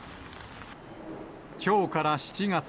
きょうから７月。